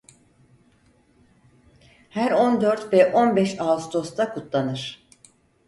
Her on dört ve on beş Ağustos'ta kutlanır.